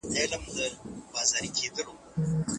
که ښځې زدهکړه ونه کړي، ټولنه تاوانيږي.